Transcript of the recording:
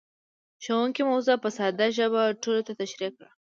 ښوونکی موضوع په ساده ژبه ټولو ته تشريح کړه.